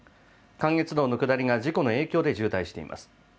関越道の下りが事故の影響で渋滞しています。